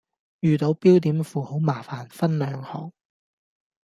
遇到標點符號麻煩分兩行